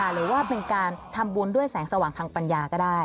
หรือว่าเป็นการทำบุญด้วยแสงสว่างทางปัญญาก็ได้